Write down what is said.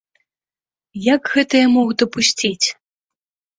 Як гэта я мог дапусціць!